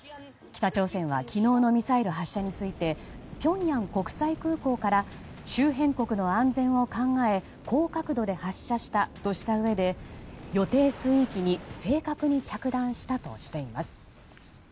北朝鮮は昨日のミサイル発射についてピョンヤン国際空港から周辺国の安全を考え高角度で発射したとしたうえで予定水域に正確に着弾したとしています。